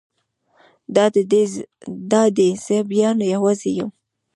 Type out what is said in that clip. دا دی زه بیا یوازې یم.